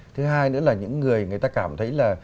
thứ hai nữa là những người người ta cảm thấy là